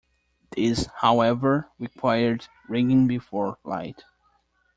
These, however, required rigging before flight.